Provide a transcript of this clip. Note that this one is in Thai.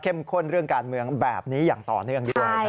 ข้นเรื่องการเมืองแบบนี้อย่างต่อเนื่องด้วย